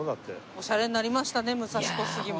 オシャレになりましたね武蔵小杉も。